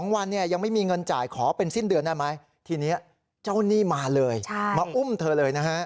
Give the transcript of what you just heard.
๒วันเนี่ยยังไม่มีเงินจ่ายขอเป็นสิ้นเดือนได้ไหมทีนี้เจ้าหนี้มาเลยมาอุ้มเธอเลยนะฮะ